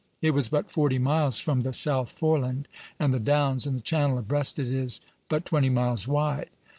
It was but forty miles from the South Foreland and the Downs, and the Channel abreast it is but twenty miles wide.